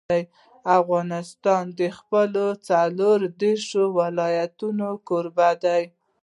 افغانستان د خپلو څلور دېرش ولایتونو کوربه دی.